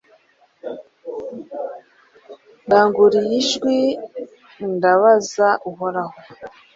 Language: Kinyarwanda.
Ndanguruye ijwi ntabaza Uhoraho